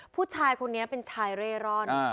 ผู้ชายคนนี้เป็นชายเร่ร่อน